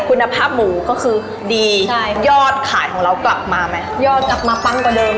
คุณภาพหมูก็คือดีใช่ยอดขายของเรากลับมาไหมยอดกลับมาปังกว่าเดิม